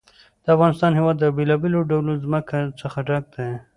د افغانستان هېواد له بېلابېلو ډولو ځمکه څخه ډک دی.